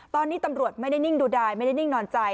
ตอนนี้ตำรวจไม่ได้นิ่งดูดายไม่ได้นิ่งนอนใจ